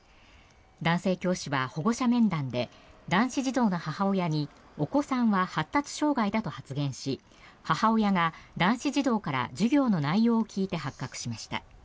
男性教師は保護者面談で男子児童の母親にお子さんは発達障害だと発言し母親が男子児童から授業の内容を聞いて発覚しました。